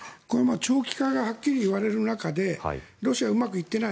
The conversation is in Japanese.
長期化がはっきり言われる中でロシアはうまくいっていない。